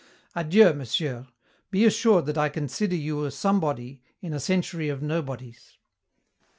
Adieu, Monsieur, be assured that I consider you a somebody in a century of nobodies.